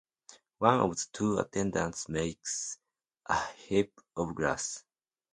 One of the two attendants makes a heap of grass.